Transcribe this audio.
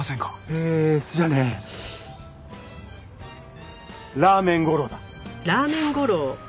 えーじゃあねラーメン五郎だ。